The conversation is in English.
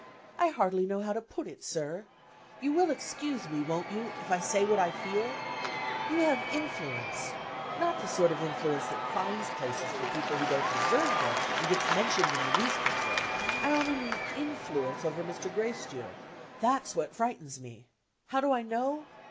"I hardly know how to put it, sir. You will excuse me (won't you?) if I say what I feel. You have influence not the sort of influence that finds places for people who don't deserve them, and gets mentioned in the newspapers I only mean influence over Mr. Gracedieu. That's what frightens me. How do I know